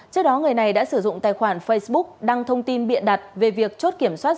trước đó người này đã sử dụng tài khoản facebook đăng thông tin biện đặt về việc chốt kiểm soát